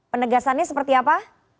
penegasannya seperti apa